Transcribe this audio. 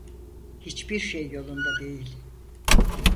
Hiçbir şey yolunda değil.